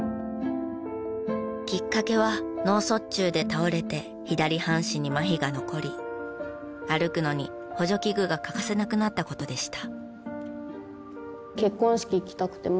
きっかけは脳卒中で倒れて左半身にまひが残り歩くのに補助器具が欠かせなくなった事でした。